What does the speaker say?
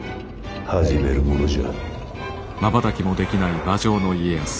始めるものじゃ。